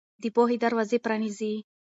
د پوهې دروازې پرانيزئ.